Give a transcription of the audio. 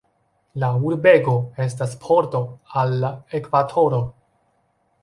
La urbego estas pordo al Ekvatoro.